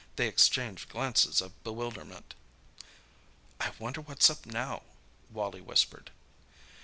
They exchanged glances of bewilderment. "I wonder what's up now?" Wally whispered.